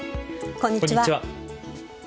こんにちは。